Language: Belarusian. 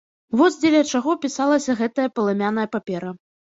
Вось дзеля чаго пісалася гэтая палымяная папера.